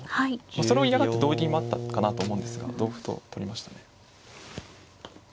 それを嫌がって同銀もあったかなと思うんですが同歩と取りましたね。